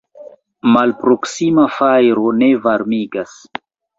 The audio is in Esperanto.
Malproksima fajro ne varmigas.